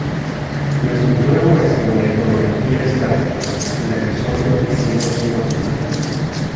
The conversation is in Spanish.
La escultura muestra una iconografía escasa, sin accesorios ni símbolos convencionales.